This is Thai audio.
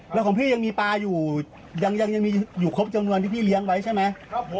แล้วของพี่ยังมีปลาอยู่ยังมีอยู่ครบจำนวนที่พี่เลี้ยงไว้ใช่ไหม